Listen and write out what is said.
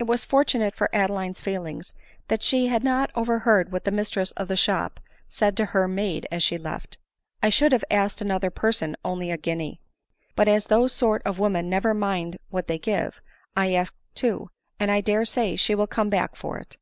It was fortunate for Adeline's feelings that she had not overheard what the mistress of the shop said to her maid as she left it. " I should have asked another person only a guinea ; but as those sort of women never mind what they give, I asked two, and I dare say she will come back for it."